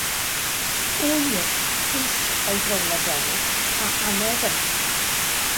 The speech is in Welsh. Ŵyr Rhys oedd Rowland Ellis a aned yma.